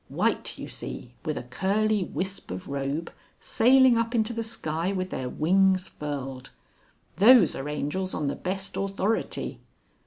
White you see, with a curly whisp of robe, sailing up into the sky with their wings furled. Those are angels on the best authority.